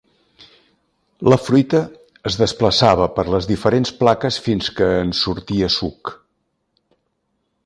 La fruita es desplaçava per les diferents plaques fins que en sortia suc.